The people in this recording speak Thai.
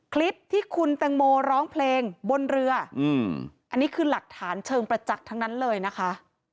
คลิปที่คุณแตงโมร้องเพลงบนเรืออันนี้คือหลักฐานเชิงประจักษ์ทั้งนั้นเลยนะคะ